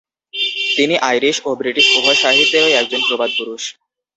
তিনি আইরিশ ও ব্রিটিশ উভয় সাহিত্যেরই একজন প্রবাদ পুরুষ।